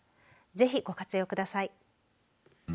ぜひご活用ください。